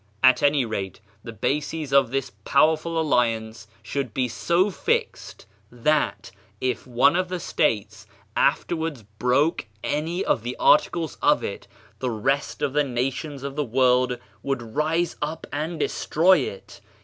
At any rate the bases of this powerful alliance should be so fixed that, if one of the states afterwards broke any of the articles of it, the rest of the na tions of the world would rise up and destroy it.